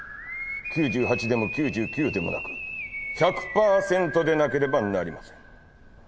９８でも９９でもなく１００パーセントでなければなりません。